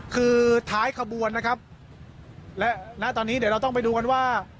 คือท้ายขบวนนะครับและณตอนนี้เดี๋ยวเราต้องไปดูกันว่า